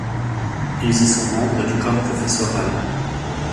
Ils y sont membres du corps professoral.